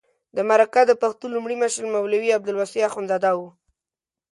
د مرکه د پښتو لومړی مشر مولوي عبدالواسع اخندزاده و.